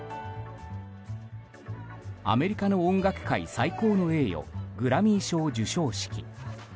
アメリカの音楽界最高の栄誉グラミー賞授賞式。